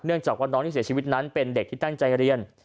จากว่าน้องที่เสียชีวิตนั้นเป็นเด็กที่ตั้งใจเรียน